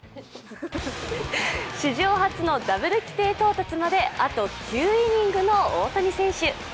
史上初のダブル規定到達まであと９イニングの大谷選手。